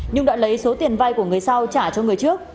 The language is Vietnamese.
nhung đã lấy số tiền vay của người sau trả cho người trước